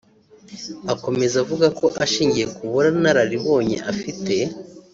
Akomeza avuga ko ashingiye ku bunararibonye afite